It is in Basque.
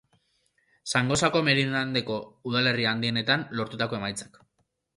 Zangozako merindadeko udalerri handienetan lortutako emaitzak.